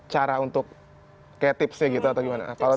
cara untuk kayak tipsnya gitu atau gimana